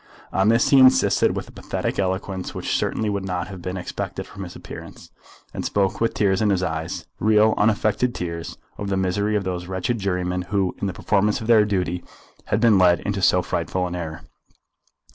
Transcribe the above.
On this he insisted with a pathetic eloquence which certainly would not have been expected from his appearance, and spoke with tears in his eyes, real unaffected tears, of the misery of those wretched jurymen who, in the performance of their duty, had been led into so frightful an error.